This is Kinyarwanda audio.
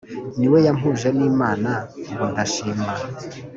Niwe yampuje n'Imana ubu ndashima